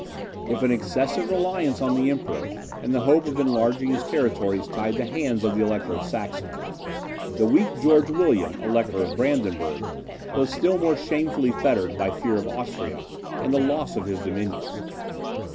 If an excessive reliance on the Emperor, and the hope of enlarging his territories, tied the hands of the Elector of Saxony, the weak George William, Elector of Brandenburg, was still more shamefully fettered by fear of Austria, and of the loss of his dominions.